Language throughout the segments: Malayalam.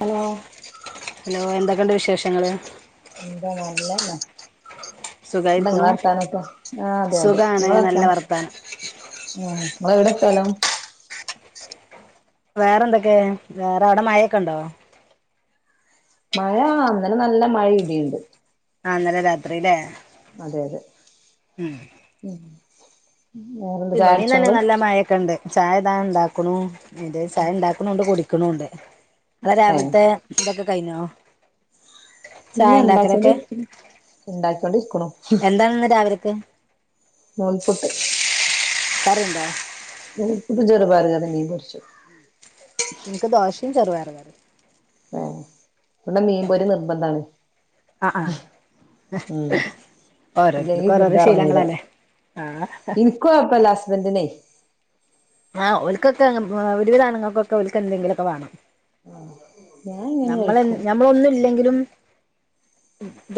ഹലോ ഹലോ എന്തൊക്കെണ്ട് വിശേഷങ്ങള് എന്താ നല്ലന്നെ എന്താ നിങ്ങളെ സുഖായിരിക്കണു വർത്താനൊക്കെ ആ അതെ അതെ സുഖാണ് നിങ്ങളെ നല്ല വർത്താനം ങ്ങള് വിടെ സ്ഥലം വേറെ എന്തൊക്കെ വേറെ അവിടെ മഴക്കെണ്ടോ മഴ ഇന്നല്ലേ നല്ല മഴ ഇടിണ്ട് ആ ഇന്നലെ രാത്രില്ലേ അതെയതെ ഇവിടേം നല്ല നല്ല മഴെക്ണ്ട് ചായദാ ണ്ടാക്കുണു ചായ ഇണ്ടാക്നുണ്ട് കുടി ക് നുണ്ട് അതാ ഏ രാവിൽത്തെ കയ്ഞോ ഇല്ല ഇണ്ടാക്യോണ്ട് ഇരിക്ണു ണ്ടാക്യോണ്ട് ഇരിക്ക്ണു ക്കെ [unintelligible] [unintelligible] ൻക്ക് ദോഷയും ചെറുപയറ് കറീം ഹേ മീൻ പൊരി നിർബന്ധാണ് ആ ആ ഹ് ഇല്ലെങ്കി ഓരോരുത്തർക്കും ഓരോരോ ഫുഡ്റങൂല ശീലങ്ങളല്ലേ ആ ൻക്കൊയപ്പല്ല ഹുസ്ബന്റീനേ ആ ഓൽക്കെക്കെ ഒര് വിദം ആണ്ങ്ങൾക്കൊക്കെ ഒൽക്ക് എന്തെങ്കിലുക്കെ വേണം ഞാൻ ഇങ്ങനെ നമ്മള് കഴിക്കും ഞമ്മളൊന്നും ഇല്ലെങ്കിലും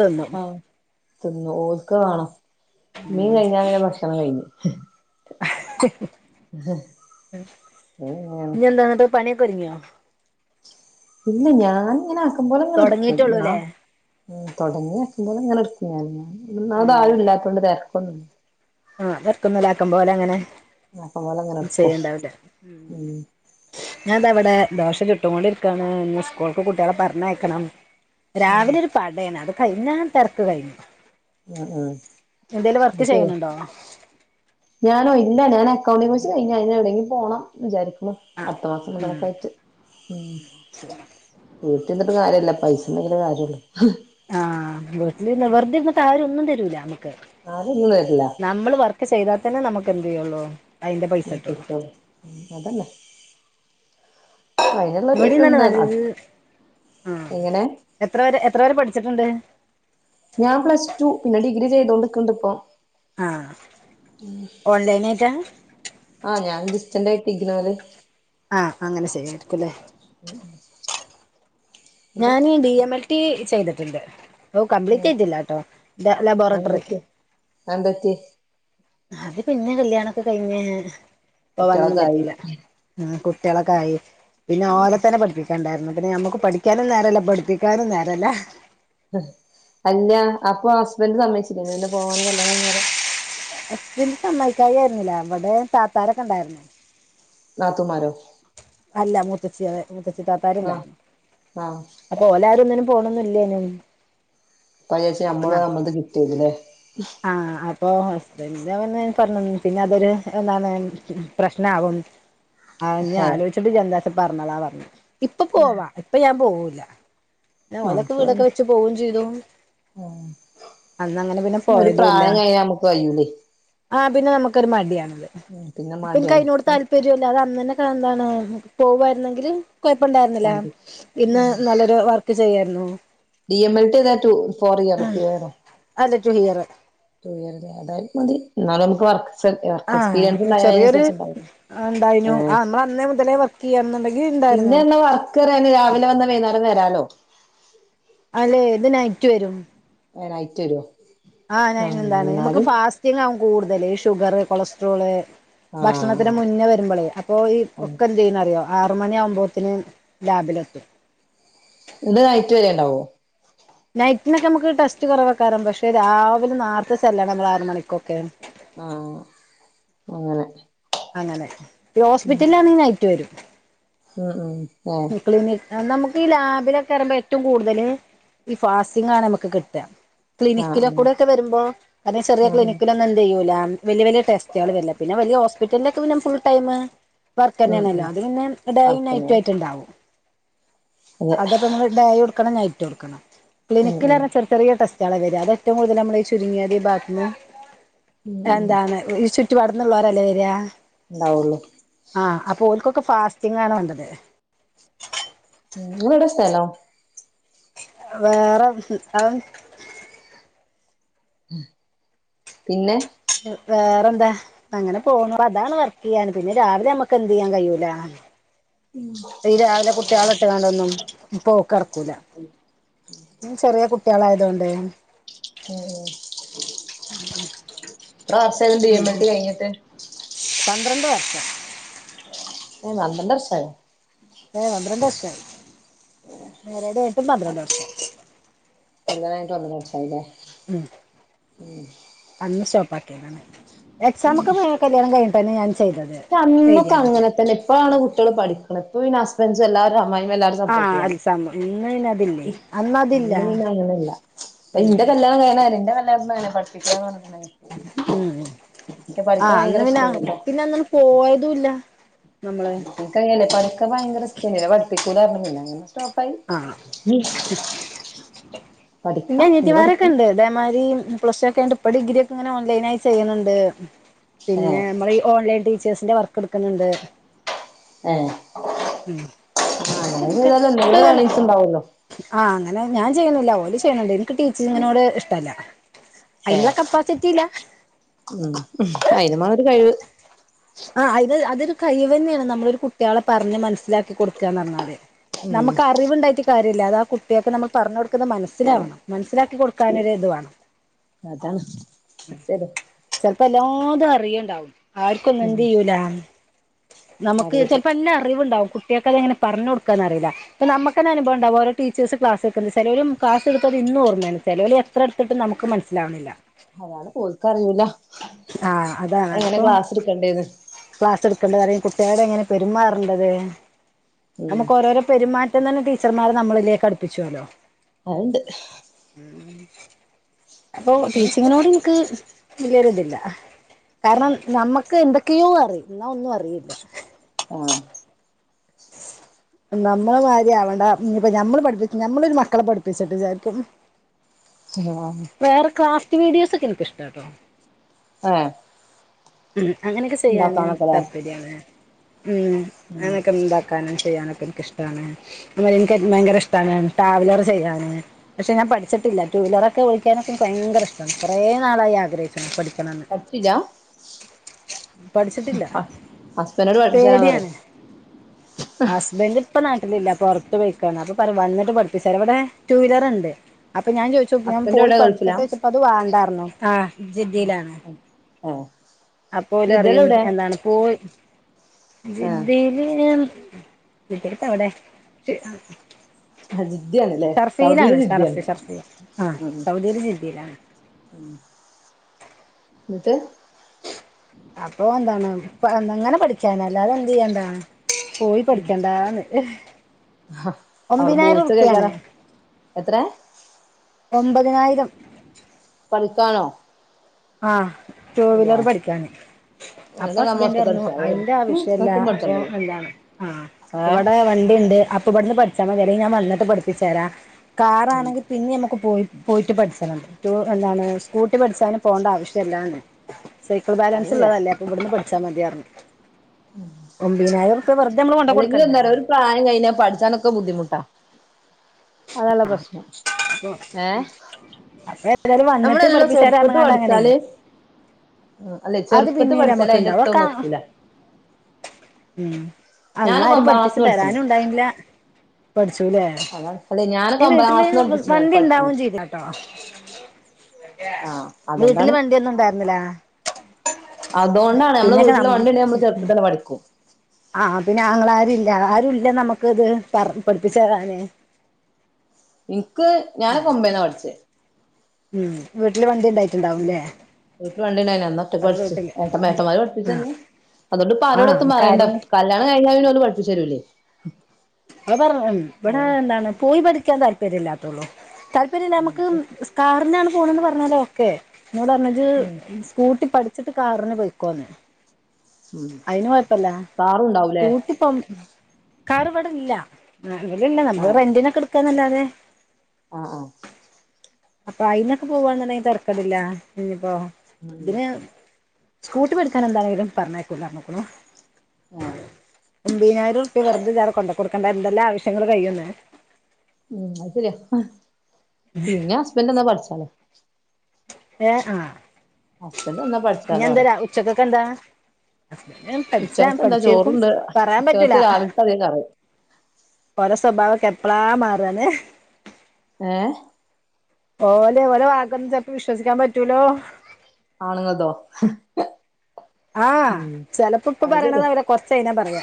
തിന്നും ആ തിന്നു ഓൽക്ക് വേണം മീൻ കഴിഞ്ഞാ പിന്നെ ഭക്ഷണം കഴി അങ്ങനെയാണ് ഇനി എന്താണ് പണി ഒരുങ്യോ ഇല്ല ഞാന്ങ്ങനേ ക്കമ്പോലെങ്ങനെ ഇട്ക്കും ഞാ തൊടങ്ങിട്ടൊള്ളൂല്ലേ തൊടങ്യോ [unintelligible] എന്നാ [unintelligible] മ് ആ [unintelligible] പോലെ അങ്ങനെ അക്കമ്പോലെങ്ങനെ ഇട്ക്കും ചെയ്യണ്ടാവില്ലേ മ് ഞാൻതാവിടെ ദോഷ ചുട്ട് കോണ്ടിരിക്കാണ് ന്ന് സ്കൂൾക്ക് കുട്ട്യളെ പറഞ്ഞയക്കണം ഉം രാവിലെ ഒരു പടാ തന്നെ - [inaudible] കയ്ഞാ തെരക്ക് കഴിഞ്ഞ് ഉം ഉം എന്തേലും വർക്ക് ചെയ്യണണ്ടോ ഞാനൊ ഇല്ല ഞാൻ അക്കൗണ്ടിങ്സ് കഴിഞ്ഞ് അതിന എവിടെങ്കും പോണം ന്ന് വിചാരിക്കു ആഹ് അടുത്ത മാസം ഉം നോക്കായിട്ട് വീട്ടിന്ന്ട്ട് കാര്യല്ല പൈസ ണ്ടെങ്കിലെ കാര്യള്ള് ആ വീട്ടിൽ നിവർധിരന്നിട്ട് ആരും തരൂ ല്ല ആരും ഒന്നും തരില്ല [inaudible] നമ്മൾ വർക്ക് ചെയ്താൽ തന്നെ നമുക്ക് അല്ലോ [unintelligible] ഉ കിട്ടുള്ളൂ അത്ന്നേ ഇവിടെന്നാണ് നല്ല ആ എങ്ങനെ എത്ര പേര് എത്ര വേറെ പഠിച്ചിട്ടുണ്ട് ഞാൻ പ്ലസ് ടു പിന്നെ ഡിഗ്രി ചെയ്ത കൊണ്ട്ക്കണ്ട്പ്പോ ആ ഓൺലൈനായിട്ട ക്കുന്നൊരു ആഹ അങ്ങനെ ചെയ്യാരിക്കുല്ലേ ഇത് ഞാന് ഡി എം എൽ ടി ചെയ്തിട്ട് ഡിണ്ട് ഓ കംപ്ലീറ്റ് ഉം ചെയതില്ലാട്ടോ ലബോറട്ടറി അതെന്തു പറ്റി അത് പിന്നെ കല്യാണക്കെ കഴിഞ്ഞ പോവാനൊന്നും കുട്ടികളൊക്കെ ആയി പറ്റിയില്ല കുട്ടിള്ഒക്കെയായി പിന്നെ ഓലെ തന്നെ പഠിപ്പ ണ്ടായിരുന്നു പിന്നെ നഞമ്മുക്ക് പഠിക്കാനും നേരല്ല പഠിപ്പിക്കാനും നേരല്ല അല്ല അപ്പൊ ഹസ്ബൻഡ് സമ്മയച്ചി പോവാൻ കല്യാണം കഴിഞ്ഞാരെ ഹസ്ബൻഡ് സമ്മായിക്കായി ആയിരുന്നില്ല ഇവിടെ താത്താരൊക്കെ ഉണ്ടായിരുന്ന നാത്തുംമാരോ അല്ല മൂത്തച്ചിയാള് ആഹ് ത്തച്ചിത്താത്താരുണ്ടായിരുന്നു ആഹ് അപ്പൊ ഓലാവരും ഒന്നിനും പോണന്നില്ലേനും അപ്പ ചേച്ചി നമ്മള് നമ്മത് കിട്ടുവേക്കും ലെ ആഹ് അത് അപ്പൊ ഹസ്ബൻന്റ് വന്ന് പറഞ്ഞ് പിന്നെ അതൊരു എന്താണ് പ്രശ്നാവും ആഹ് ഞ്ഞ് ഹേ ആലോചിച്ചിട്ട് ഇജ്ജ് എന്താ പറഞ്ഞളാ പറഞ്ഞു ഇപ്പൊ പോവാ ഇപ്പ ഞാൻ പോക ഇല്ല ആഹ് ഓലക്കെ അപ്പൊ വീടൊക്കെ വെച്ച് പോവും ചെയ്തു ആഹ് അന്നങ്ങനെ പിന്നെ ഒരു പ്രായം കഴിഞ്ഞാ നമുക്ക് കയ്യൂല്ലേയ് ആ പിന്നെ നമുക്ക് ഒരു മടിയാണ് പ്പിൻക്കയ്നോട് മടിയാണ് താല്പര്യുല്ല അത അന്നെന്നൊക്കെ എന്താണ് പോവായിരുന്നെങ്കില് കൊഴപ്പണ്ടായിരുന്നില്ലാ ഇന്ന് നല്ലൊരു വർക്ക് ക്ക് ചെയ്യായിരുന്നു ഡി എം എൽ ടി ഒക്കെ ഫോർ ഇയറോ ടു ഇയറോ അല്ല ടു ഹിയർ ടു ഇയർ ലേ അതായാലും മതി എന്നാലും നമുക്ക് വർക്ക് വർക്ക് എക്സ്പീരിയൻസ് ആഹ് ഉണ്ടായ ചെറിയൊരു അതിനനുസരിച്ച് ഉണ്ടാവും ണ്ടായിനു ആ ഏഹ് നമ്മള് അന്നേ മുതലേ വർക്ക് ചെയ്യാന്നുണ്ടെങ്കി ഇണ്ടായിരുന്നു പിന്നെ എന്നാ വർക്ക്റിയാന് രാവിലെ വന്ന വൈന്നേരം വരാലോ അല്ലെ ഇത് നൈറ്റ്‌ വരും ഏ നൈറ്റ്‌ വരോ? ആ ഞ ആഹ് അയ്‌നെന്താണ് നമ്മക്ക് എന്നാലും ഫാസ്റ്റിങ്ങാവും കൂടുതല് ഷുഗറ് കൊളസ്ട്രോള് ആഹ് ഭക്ഷണത്തിന് മുന്നേ വരുമ്പളേ അപ്പൊ ഈ ആഹ് ഒക്കെ എന്ത് ചെയ്യുന്നറിയോ ആറ് മണി ആവുമ്പോത്തിന് ലാബിലെത്തും ഇത് നൈറ്റ് വരെ ഇണ്ടാവോ? നൈറ്റിനൊക്കെ നമുക്ക് ടെസ്റ്റ് കുറവേക്കാരം പക്ഷെ രാവിലെ നാർത്തെ ചെല്ലണം നമ്മളാറ് മണിക്കൊക്കെ ആഹ് അങ്ങനെ അങ്ങനെ ഈ ഹോസ്പിറ്റല്ലാണെങ്കി നൈറ്റ് വരും ആഹ് ആഹ് ഇ ക്ലിനി നമുക്ക് ഈ ലാബിലൊക്കെയറുമ്പോ ഏറ്റവും കൂടുതല് ഈ ഫാസ്റ്റിങ്ങാണ് നമുക്ക് കിട്ട ആഹ് ഉം ക്ലിനിക്കിലക്കൂടെ ഒക്കെ വരുമ്പോ അതെ ചെറിയ ആഹ് ആഹ് ക്ലിനിക്കിലൊന്നും എന്തെയ്യൂല വല്യ വല്യ ടെസ്റ്റുകൾ വരില്ല പിന്നെ വല്യ ഹോസ്പിറ്റലിലൊക്കെ പിന്നെ ഫുൾ ടൈമ് വർക്ക് ഉം തന്നേണല്ലോ ഉം അത് പിന്നെ ഡെയും വർക്കിന് നൈറ്റും ആയി അൗ അതെ അതപ്പ നമ്മ ഡേയും എടുക്കണം നൈറ്റും ഇട്ക്കണം ഉം ക്ലിനിക്കിൽ ഉം ഏറെ ചെറിയചെറിയ ടെസ്റ്റ്‌ [unintelligible] അതെറ്റവും കൂടുതല് നമ്മളി ചുരുങ്ങിയതി ബാഗത്ത്ന്ന് ഉം ഉം അയെന്താണ് ഈ ചു ചുറ്റു പാട്ന്ന്ള്ളോരലേ വെരുവാ? ഉണ്ടാവുള്ളൂ ആ ഓൾക്കൊക്ക ഫാസ്റ്റിംങ് ആണ് വേണ്ടത്. ഉം നിങ്ങളെവിട സ്ഥലോ? വേറെ [unintelligible] പിന്നെ? വേറെന്താ അങ്ങനെ പോന്നു അതാണ് വർക്ക് ചെയ്യാഞ്ഞത് പിന്നെ രാവിലെ നമ്മക്ക് എന്ത്‌ ചെയ്യാൻ കഴിയൂലാ? ഈ രാവിലെ കുട്ടികള ഇട്ട്കണ്ടൊന്നും പോക്ക്‌ നടക്കൂല ചെറിയ കുട്ട് കുട്ടികളായതുകൊണ്ടെ [inaudible] ത്രാസ എന്ത് ചെയുന്നു ഡി എം ൽ റ്റി കഴിഞ്ഞിട്ട്? പന്ത്രണ്ട് വർഷം. ഏ പന്ത്രണ്ടർഷായോ? ഏ പന്ത്രണ്ടർഷായോ മെരേജ് കഴിഞ്ഞിട്ടും പന്ത്രണ്ട് വർഷം. കല്യാണയിട്ട് ഒന്നരവർഷായില്ലേ? ഉം [unintelligible] പക്കയാണെന്ന് എക്സാംമക്കെ [unintelligible] കല്യാണം കഴിണ്ട് പനിയായി പക്ഷെ അന്നൊക്കെ അങ്ങനെതന്നെ ഇപ്പഴാണ് കുട്ടികള് പഠിക്കണേ ഇപ്പ പിന്നെ ഹസ്‌ബെന്റ്സു എല്ലാര്ടേം അമ്മായിഅമ്മ എല്ലാരും ആ സപ്പോട്ടീവാണ് എക്സാം ഇന്ന് പിന്നെ അതില്ലേ അതില്ല അന്ന് പിന്നെ അങ്ങനല്ല ഇന്റെ കല്യാണം കഴിയണവരെ ഇന്റെ- ഉം [unintelligible] അങ്ങനെ പോയതുല്ല. നമ്മള് കൈയല്ലേ പടക്ക [unintelligible] പട നിക്കൂലറ്ഞ്ഞ് പിന്നങ്ങനെ സ്റ്റോപ്പ്‌ ആ പിന്നെ പഠിക്കാം ഇനി പഠിക്കണം അനിയത്തിമാരൊക്കെണ്ട് ഇതേമാരി പ്രശ്നം ഒക്കെ ആയോണ്ട് ഇപ്പ ഡിഗ്രിയൊക്കെ ഇങ്ങനെ ഓൺലൈനായി ചെയ്യ്ന്ന്ണ്ട്. പിന്നെ ഏഹ് നമ്മള് ഈ ഓൺലൈൻ ഡി ച്ചേസിന്റെ വർക്ക് എടുക്കുന്നുണ്ട് ഏ ആ അങ്ങനെ ചെയ്താലും എന്തെകിലും എനിക്കങ്ങനെ ഏർണിങ്സ് ഉണ്ടാവല്ലോ. ആഹ് അങ്ങനെ ഞാൻ ചെയ്യിന്നില്ല ഓല് ചെയ്യുന്ന്ണ്ട് എനിക്ക് ടീ ഇങ്ങനോട് ഇഷ്ടല്ല അതിനുള്ള കപ്പാസിറ്റി ഇല്ല ഇല്ലേ അയിനും വേണം ഒര് കഴിവ് ആ അത് അതൊരു കഴിവ് തന്നെയാണ് നമ്മളൊരു കുട്ടികളെ പറഞ്ഞ് മനസ്സിലാക്ക- കൊടുക്കാന്നു പറഞ്ഞാലേ ഉം നമുക്ക് അറിവ് ഉണ്ടായിട്ട് കാര്യം ഇല്ല ഇല്ല അത് ആ കുട്ടികൾക്ക് നമ്മള് പറഞ്ഞ് കൊടു - മനസ്സിലാവണം മനസിലാക്കി കൊടുക്കൻ ഒരു ഇതു വേണം അതാണ് ശരി ചെലപ്പോ എല്ലാതും അറിയ- ഉഉണ്ടാവും ആ ഉം എന്ത്‌ ചെയൂല നമുക്ക് അറിയൂല ചെലപ്പോ എല്ലാം അറിവുണ്ടാവും കുട്ടികൾക്ക്‌ അങ്ങനെ പറഞ്ഞ കൊടുക്കാൻ അറിയില്ല നമുക്ക്‌ തന്നെ അനുഭവം ഉണ്ടാവും ഓരോ ടീച്ചേർസ് ക്ലാസ്സ്‌ എടുക്കുന്നത് ചെലൊരു ക്ലാസ്സ്‌ എടുത്തത് ഇന്നും ഓർയ ഉണ്ട് ചെലര് എത്ര എടുത്തിട്ടും നമുക്ക് മനസിലാവണില്ല അതാണ് ഓൾക്ക് അറിയൂല്ല ആഹ് അതാണ് എങ്ങനെ ഇപ്പൊ ക്ലാസ്ടുക്കണ്ടേ ക്ലാസ് എടുക്കേണ്ടത് അറിയാം കു - അന്നേരം എങ്ങനെ പെരുമാറേണ്ടത് ഉം നമുക്ക് ഓരോരോ പെരുമാറ്റം മാറ്റം തന്നെ ടീച്ചർമാരെ നമ്മളിലേക്ക് അടുപ്പിച്ചുവല്ലോ അതുണ്ട് അപ്പൊ ടീച്ചിങ്ങിനോട് എനിക്ക് ഇല്ല ഒരത് ഇല്ല കാരണം നമ്മക് യ്യോഅറിം ഇന്ന ഒന്നും അറിയില്ല ആഹ് നമ്മള് മാതിരിയാവണം ഇഞ്പ്പൊ ഞമ്മള് പഠിപ്പിക്കും ഞമ്മളൊരു മക്കളെ പഠിപ്പിച്ചിട്ട് ചാര്ക്കും ആഹ് വേറെ ക്രാഫ്റ്റ് മ വീഡിയോസ് ഒക്കെ എനിക്ക് ഇഷ്ട കേട്ടോ ആ ഉ അങ്ങനെയൊക്കെ ചെയ്യാന് താല്പര്യാണ് ഉം ഉം അനക്കെന്താ ചെയ്യാനൊക്കെ എനിക്ക് ഇഷ്ടമാണ് അ എനിക്ക് ഭയങ്കര ഇഷ്ടമാണ് ട്രാവലർ ചെയ്യാന് പക്ഷെഞാൻ പഠിച്ചിട്ടില്ല ടു വീലറ ഒക്കെ ഭയങ്കര ഇഷ്ടാണ് കുറേ നാളായി ആഗ്രഹിച്ച പഠിച്ചില്ല പഠിച്ചിട്ടില്ല ഹസ്ബൻഡോട് പഠിപ്പിച്ചുതരാ പറയ് പേടിയാണ് ഹസ്ബൻഡ് ഇപ്പൊ നാട്ടിലില്ല പുറത്തു പോയിക്കാണ് അപ്പൊ വന്നിട്ട് പഠിപ്പിച്ചാർ ഇവിടെ ടു വീലർുണ്ട് ആപ്പ് അപ്പൊ ഞാൻ ചോയിച്ചു ഞാൻ ഹസ്ബൻഡ് പോയി എവിടെ ഗൾഫിലാ പഠിക്കട്ടെ വെച്ചപ്പോ അത് വേണ്ടാറഞ്ഞു ആ ജിയിലാണ് ആ അപ്പോലും അറിയും എന്താണ് പോയി ആഹ് ജിദിയില് വിജത്ത് അവിടെ ജിദ്ദയാണ്ല്ലേ സൗദിയിലെ ഷർഫിയിലാണ് ജിദ്ദയാണ് ഷർഫി ഷർഫി ആ ഉം സൗദി ജില്ലയിലാണ് എന്നട്ട് അപ്പ എന്താണ് ഇപ്പ എങ്ങനെ പഠിക്ക ക്കാൻ അല്ലാതെ എന്ത് ചെയ്യണ്ടാ പോയി പഠിക്കണ്ടന്ന് അവിടെ ഒമ്പതിനായിരം ബോയ്സ് റുപ്യാണ് കേക്കാരം എത്രേ ഒമ്പതിനായിരം പഠിക്കാനോ ആ ടു അള്ളാ വീലർ പഠിക്കാന് അപ്പ അതൊക്കെ നമ്മളെ ഹസ്ബൻഡ ഒറ്റക്ക് പറഞ്ഞു പഠിച്ചാ മതി അതിന്റെ ആവശ്യല്ല ഇങ്ങക്കും അപ്പൊ പഠിച്ചണ്ടല്ലോ എന്താണ് ആ ഏഹ് ഇവിടെ വണ്ടിണ്ട് അപ്പ ഇവിടുന്ന് പഠിച്ച [unintelligible] ഞാൻ വന്നട്ട് പഠിപ്പിച്ച തരാ കാറാണെങ്കിൽ പിന്നെ നമുക്ക് പോയി പോയിട്ട് പഠിച്ചാനുണ്ട് എന്താണ് സ്കൂട്ടി പഠിച്ചാലും പോകണ്ട ആവശ്യല്ലാന്ന് സൈക്കിൾ അത് ബാലൻസ് ശരിയാ ഉള്ളതല്ല അപ്പ ഇവിടുന്ന് പഠു [unintelligible] മതി പറഞ്ഞു കൊണ്ട അല്ലെങ്കിൽ കൊടുക്കണ്ടേ എന്താറ ഒരു പ്രായം കഴിഞ്ഞാ പഠിച്ചാനൊക്കെ ബുദ്ധിമുട്ടാ അതല്ല പ്രശ്നം ഏ അപ്പൊ ഏതായാലും വന്നിട്ട് പഠിപ്പിച്ചാര പറഞ്ഞിട്ട് അങ്ങനെ പഠിച്ചാല് അല്ലെ അത് ചെറുപ്പത്ത് പിന്നീട് പഠിച്ചാല നമ്മുക്ക് അയിന്റെ ഇണ്ടാവും അത്ര ഒക്കെ എത്തൂല ഉം അന്നര് പഠിപ്പിച്ചു ക്ലാസ്ന്ന് പഠിച്ച്ണ് തരാനും ഉണ്ടായില്ല പടി പഠിച്ചൂല്ലേ അതാണ് അല്ലെ ഞാനൊക്കെ ഒമ്പതാം വീട്ടില് ക്ലാസ്ന്ന് പഠിപ്പിച്ച്ണ് വണ്ടി പഠിച്ച്ണ് ഉണ്ടാവും ചെയുന്നട്ടോ ആഹ് വീട്ടില് അതോണ്ടാണ് വണ്ടിന്നും ഇണ്ടായിരുന്നില്ല അതോണ്ടാണ് നമ്മള് ന വീട്ടില്ള്ള വണ്ടിണ്ടയ നമ്മൾ ചെർപ്പത്തെന്നെ പഠിക്കു ആഹ് പിന്നെ ആങ്ങളാര്ല്ല ആരുല്ല നമ്മക്ക്ത് പറ പഠിപ്പിച്ചരാന് ഈ ക്ക് ഞാൻ ഓമ്പേന്നാ പഠിച്ചേ ഉം വീട്ടില് വണ്ടി ണ്ടായി ഉം വണ്ടിണ്ടായ്ഞ് അന്ന് ഒറ്റക് ഓലെ പഠിച് വീട്ടില് ഏട്ടമ്മ ഏട്ടന്മാര് ആഹ് പഠിപ്പിച്ചന്ന് അതുകൊണ്ട് പ്പ ആഹ് ആരോടൊത്തും നമുക്ക് പറയേണ്ട ആരും കല്യാണ കഴിഞ്ഞാല് പിന്നെഓല് പഠിപ്പിച്ചരൂലെ അ പറഞ്ഞതൻ ഇവിടെ എന്താണ് പോയി പഠി ക്കാൻ താല്പര്യംല്ലാത്തതൊള്ളൂ താല്പര്യം നമുക്കും സ് കാറിനാണ് പോണെന്ന് പറഞ്ഞാൽ ഓക്കെ എന്നോട് പറഞ്ഞത് ഉം സ്കൂട്ടി പഠി ച്ചിട്ട് കാറിന് പോയിക്കോന്ന് ഉം അയിന് കൊഴപ്പല്ല സ്റ്റാറുണ്ടാവൂലേ സ്കൂട്ടി പം കാറ് ഇവിടല്ല [unintelligible] ഇല്ല നമ്മള് റെൻറ്റിനൊക്കെ എടുക് ക്കന്നല്ലാതെ ആ ആ അപ്പൊ അയിന്നൊക്കെ പോവാന്നുണ്ടെങ്കി തരക്കേടില്ല ഇനിയിപ്പോ ഉം ഇതിന് സ്കൂട്ടി പഠിക്കാൻ എന്തായാലും പറഞ്ഞേക്കൂല്ല അർഞ്ഞുകുണു. ആഹ് ഒമ്പയിനായിരം ർപ്പിയ വെർതെ ജ്ജ് ആടെ കൊണ്ട കൊടുക്കെണ്ടാ യെന്തെല്ലാ ആവശ്യങ്ങൾ കഴിയുന്നേ ഉം അഹ് ശരിയാ പിന്നെ ഹസ്ബന്ഡ് ന്നാ പഠിച്ചാലൊ ഏ ആ ഹസ്ബൻഡ് വന്നാ ഇനി പഠിച്ചാലോ പറയാ എന്തരാ ഉച്ചക്കക്കെന്താ? ഞാൻ പഠിച്ചാൽ ഉച്ചകക്ക് എന്താ പഠിച്ചേക്കും ചോറുണ്ട് പറയാൻ പറ്റൂല ഉച്ചകത്ത് രാവിലത്തെ അതേ കറി ഓരോ സ്വഭാവംക്ക പ്പളാ മാറാന്നെ ഏഹ് ഓലെ ഓല വാക്കൊന്നും ചെൽപ്പോ വിശ്വസിക്കാൻ പറ്റൂലോ ആണുങ്ങൾതോ ആ ഉം ചെലപ്പോ പ്പം അത് ശരിയാ പറയണതാവുല കൊർച്ചഴിഞ്ഞാ പറിയ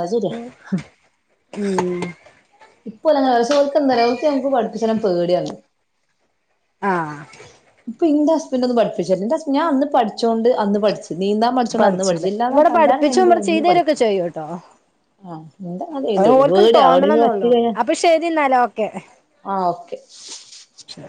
അത് ശരിയാ ഉം ഇപ്പോ [unintelligible] [unintelligible] അച്ഛനും പേടിയാണ് ആ ഇപ്പ എന്റെ ഹസ്ബൻറ് ഒന്ന് പഠിപ്പിച്ചില്ല. എൻ്റെ ഹസ് ഞാനന്ന് പഠി പഠിച്ചോണ്ട് അന്ന് പഠിച്ചു. നീന്താൻ പഠിച്ചോണ്ട് അന്ന് പഠിച്ചു പഠിച്ചൂലേ ഇല്ലാ ഇവിടെ കല്യണം പഠിപ്പിച്ചും കഴിഞ്ഞിട്ടു ഞാൻ ഇവിടെ ഒന്നും ചെയ്തരൊക്കെ പഠിച്ചില്ല ചെയ്യൂട്ടോ ആ എന്താ അ അത് ഓൽക്കണ് വീണ് എന്തെങ്കിലും തോന്നണന്നൊള്ളു പറ്റികഴിഞ്ഞാ അപ്പൊ ശരി എന്നാല് ഓക്കെ ആ ഓക്കെ ശരി